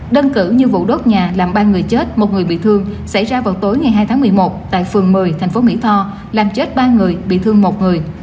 đơn cử như vụ đốt nhà làm ba người chết một người bị thương xảy ra vào tối ngày hai tháng một mươi một tại phường một mươi thành phố mỹ tho làm chết ba người bị thương một người